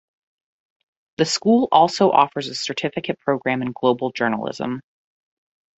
The school also offers a certificate program in global journalism.